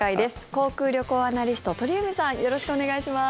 航空・旅行アナリスト、鳥海さんよろしくお願いします。